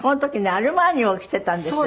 アルマーニを着てたんですよ。